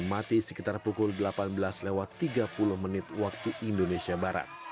mati sekitar pukul delapan belas lewat tiga puluh menit waktu indonesia barat